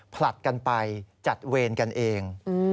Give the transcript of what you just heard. ผลัดกันไปจัดเวรกันเอง